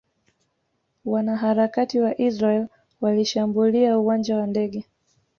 Wanaharakati wa Israeli walishambulia uwanja wa ndege